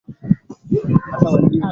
Wakifanya ubaya, uwajibu kwa wema.